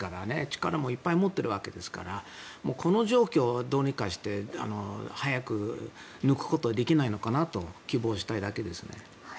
力もいっぱい持っているわけですからこの状況をどうにかして早く抜くことができないのかなと希望したいだけですね。